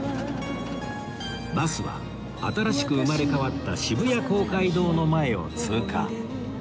バスは新しく生まれ変わった渋谷公会堂の前を通過